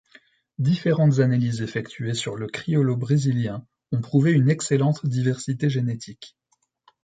Différentes analyses effectuées sur le Criollo brésilien ont prouvé une excellente diversité génétique.